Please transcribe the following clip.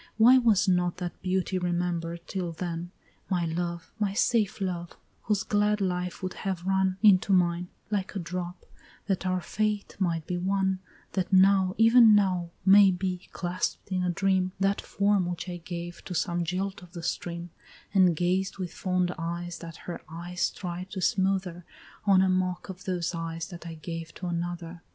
Why was not that beauty remember'd till then? My love, my safe love, whose glad life would have run Into mine like a drop that our fate might be one, That now, even now, may be, clasp'd in a dream, That form which I gave to some jilt of the stream, And gazed with fond eyes that her tears tried to smother On a mock of those eyes that I gave to another!